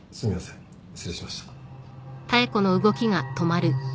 失礼しました。